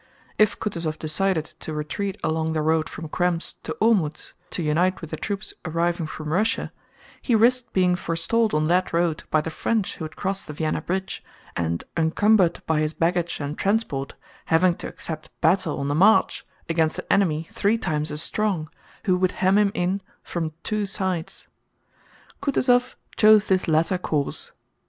If Kutúzov decided to retreat along the road from Krems to Olmütz, to unite with the troops arriving from Russia, he risked being forestalled on that road by the French who had crossed the Vienna bridge, and encumbered by his baggage and transport, having to accept battle on the march against an enemy three times as strong, who would hem him in from two sides. Kutúzov chose this latter course.